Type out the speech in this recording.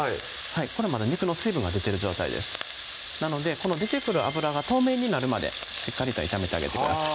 これまだ肉の水分が出てる状態ですなのでこの出てくる油が透明になるまでしっかりと炒めてあげてください